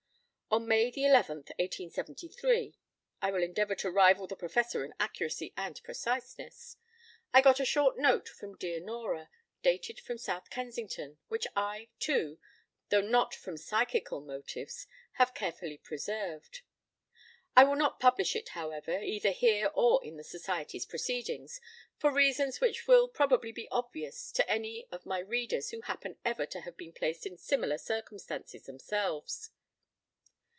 p> On May 11, 1873 (I will endeavour to rival the Professor in accuracy and preciseness), I got a short note from dear Nora, dated from South Kensington, which I, too (though not from psychical motives), have carefully preserved. I will not publish it, however, either here or in the Society's Proceedings, for reasons which will probably be obvious to any of my readers who happen ever to have been placed in similarcircumstances themselves.